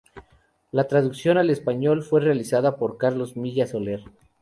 La traducción al español fue realizada por Carlos Milla Soler.